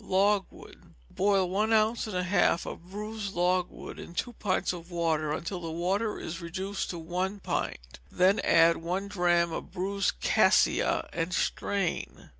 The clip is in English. Logwood. Boil one ounce and a half of bruised logwood in two pints of water until the water is reduced to one pint; then add one drachm of bruised cassia, and strain.